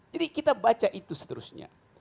jadi kita baca itu seterusnya